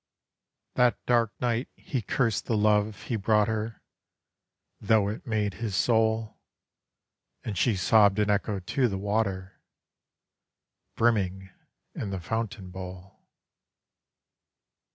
That dark night he cursed the love he brought her, Though it made his soul; And she sobbed an echo to the water Brimming in the fountain bowl.